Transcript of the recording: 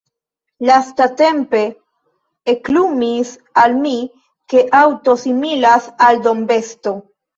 Lastatempe eklumis al mi, ke aŭto similas al dombesto.